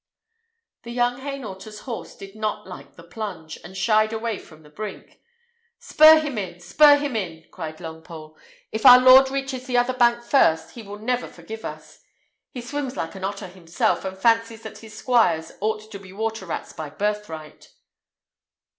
The young Hainaulter's horse did not like the plunge, and shied away from the brink. "Spur him in, spur him in!" cried Longpole. "If our lord reaches the other bank first, he will never forgive us. He swims like an otter himself, and fancies that his squires ought to be water rats by birthright."